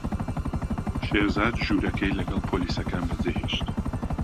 شێرزاد ژوورەکەی لەگەڵ پۆلیسەکان بەجێهێشت.